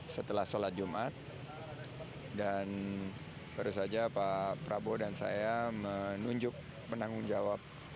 setelah sholat jumat dan baru saja pak prabowo dan saya menunjuk penanggung jawab